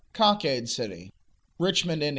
Cockade City; Richmond (Ind.)